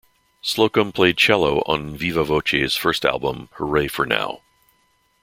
Slocum played cello on Viva Voce's first album, "Hooray For Now".